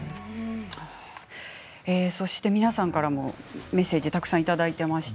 皆さんからもメッセージたくさんいただいています。